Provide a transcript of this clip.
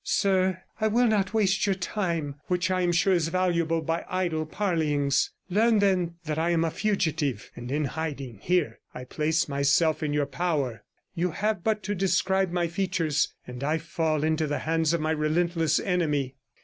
'Sir, I will not waste your time, which I am sure is valuable, by idle parleyings. Learn, then, that I am a fugitive, and in hiding here; I place myself in your power; you have but to describe my features, and I fall into the hands of my relentless enemy.'